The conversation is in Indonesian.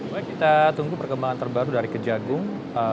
baik kita tunggu perkembangan terbaru dari kejagung